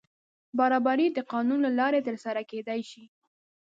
برابري د قانون له لارې تر سره کېدای شي.